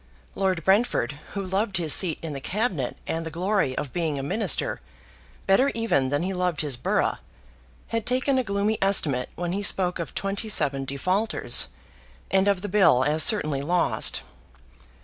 Lord Brentford, who loved his seat in the Cabinet and the glory of being a Minister, better even than he loved his borough, had taken a gloomy estimate when he spoke of twenty seven defaulters, and of the bill as certainly lost.